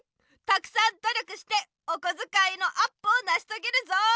たくさんどりょくしておこづかいのアップをなしとげるぞ！